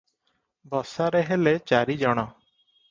ବସାରେ ହେଲେ ଚାରିଜଣ ।